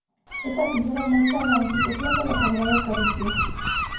Esta pintura muestra la institución de la Sagrada Eucaristía.